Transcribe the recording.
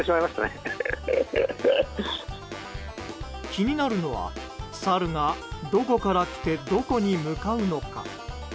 気になるのは、サルがどこから来てどこに向かうのか。